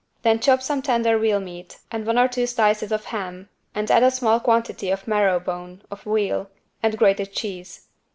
Then chop some tender veal meat and one or two slices of ham and add a small quantity of marrow bone (of veal) and grated cheese.